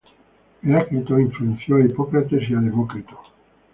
Heráclito influenció a Hipócrates y a Demócrito.